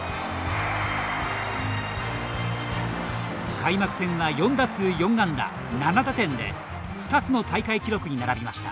開幕戦は４打数４安打７打点で２つの大会記録に並びました。